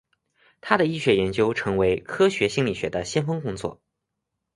他的医学研究成为科学心理学的先锋工作。